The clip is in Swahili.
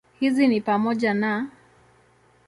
Hizi ni pamoja na